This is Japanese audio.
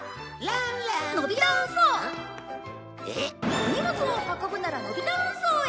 「お荷物を運ぶならのび太運送へ！」